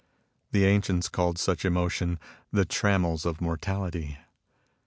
The ancients called such emotions the trammels of mortality.